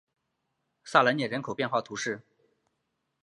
萨莱涅人口变化图示